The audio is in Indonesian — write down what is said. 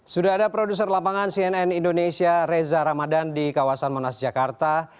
sudah ada produser lapangan cnn indonesia reza ramadan di kawasan monas jakarta